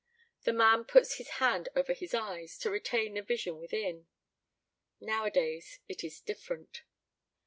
The man puts his hand over his eyes, to retain the vision within. Nowadays, it is different.